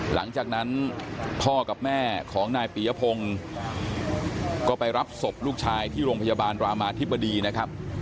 หลังจากนั้นพ่อกับแม่ของนายปียพงศ์ก็ไปรับศพลูกชายที่โรงพยาบาลรามาธิบดีนะครับ